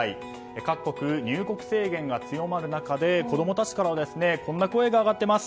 各国、入国制限が強まる中で子供たちからはこんな声が上がっています。